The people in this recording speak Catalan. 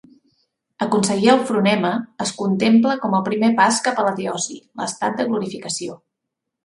Aconseguir el "fronema" es contempla com el primer pas cap a la "teosi", l'estat de "glorificació".